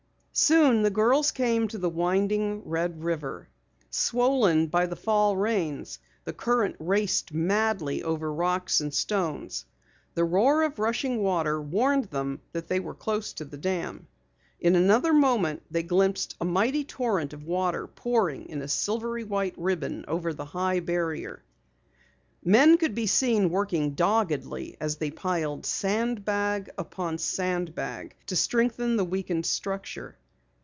Soon the girls came to the winding Red River. Swollen by the fall rains, the current raced madly over rocks and stones. The roar of rushing water warned them that they were close to the dam. In another moment they glimpsed a mighty torrent of water pouring in a silvery white ribbon over the high barrier. Men could be seen working doggedly as they piled sandbag upon sandbag to strengthen the weakened structure.